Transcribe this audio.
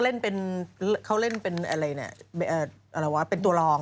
แล้วเขาเล่นเป็นอะไรเป็นตัวรอง